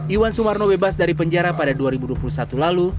iwan sumarno bebas dari penjara pada dua ribu dua puluh satu lalu